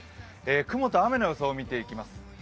雲と雨の予想を見ていきます。